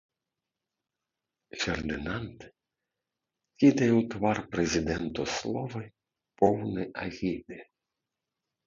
Фердынанд кідае ў твар прэзідэнту словы, поўны агіды.